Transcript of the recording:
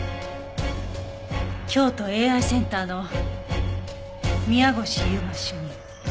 京都ＡＩセンターの宮越優真主任。